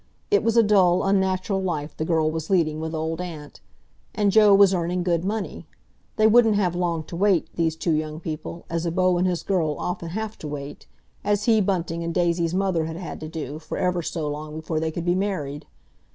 It was a dull, unnatural life the girl was leading with Old Aunt. And Joe was earning good money. They wouldn't have long to wait, these two young people, as a beau and his girl often have to wait, as he, Bunting, and Daisy's mother had had to do, for ever so long before they could be married.